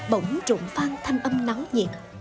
bổng trụng phan thanh âm náo nhiệt